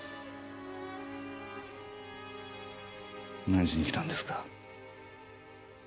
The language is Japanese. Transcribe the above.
何しに来たんですか。